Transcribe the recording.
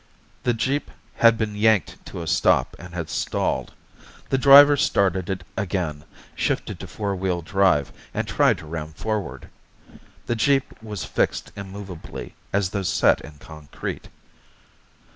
The jeep had been yanked to a stop and had stalled. The driver started it again, shifted to four wheel drive, and tried to ram forward. The jeep was fixed immovably, as though set in concrete.